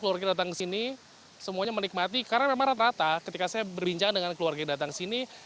keluarga datang ke sini semuanya menikmati karena memang rata rata ketika saya berbincang dengan keluarga yang datang sini